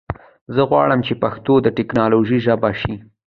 زه غواړم چې پښتو د ټکنالوژي ژبه شي.